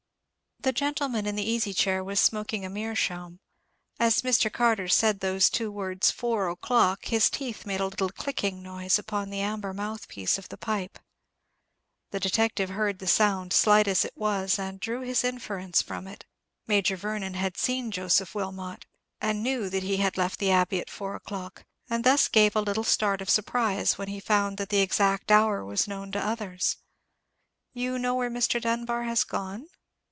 The gentleman in the easy chair was smoking a meerschaum. As Mr. Carter said those two words, "four o'clock," his teeth made a little clicking noise upon the amber mouthpiece of the pipe. The detective heard the sound, slight as it was, and drew his inference from it. Major Vernon had seen Joseph Wilmot, and knew that he had left the Abbey at four o'clock, and thus gave a little start of surprise when he found that the exact hour was known to others. "You know where Mr. Dunbar has gone?"